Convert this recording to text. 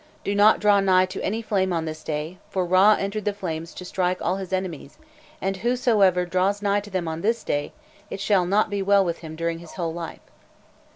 Do not draw nigh to any flame on this day, for Râ entered the flames to strike all his enemies, and whosoever draws nigh to them on this day, it shall not be well with him during his whole life.